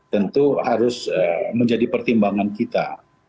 tentu harus menjadi pertimbangan kita